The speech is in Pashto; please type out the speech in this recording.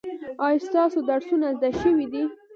ایا ستاسو درسونه زده شوي دي؟